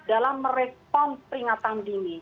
dalam merekom peringatan dini